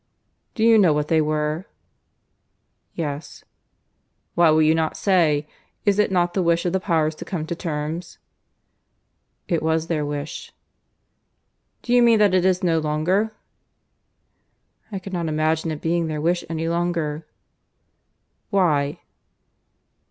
"Do you know what they were?" "Yes." "Why will you not say? Is it not the wish of the Powers to come to terms?" "It was their wish." "Do you mean that it is so no longer?" "I cannot imagine it being their wish any longer." "Why?"